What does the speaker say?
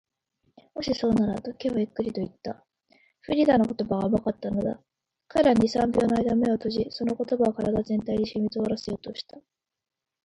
「もしそうなら」と、Ｋ はゆっくりといった。フリーダの言葉が甘かったのだ。彼は二、三秒のあいだ眼を閉じ、その言葉を身体全体にしみとおらせようとした。